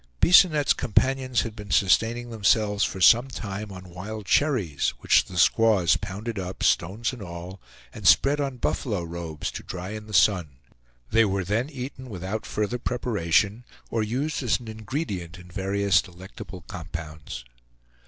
Bisonette's companions had been sustaining themselves for some time on wild cherries, which the squaws pounded up, stones and all, and spread on buffalo robes, to dry in the sun; they were then eaten without further preparation, or used as an ingredient in various delectable compounds.